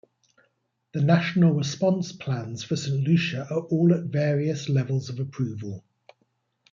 The National Response Plans for Saint Lucia are all at various levels of approval.